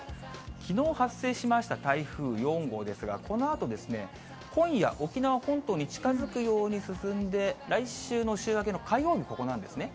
きのう発生しました台風４号ですが、このあと、今夜、沖縄本島に近づくように進んで、来週の週明けの火曜日ここなんですね。